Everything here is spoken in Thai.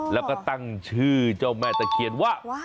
แล้วก็ตั้งชื่อเจ้าแม่ตะเคียนว่า